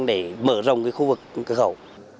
để mở rộng cái khu vực cửa khẩu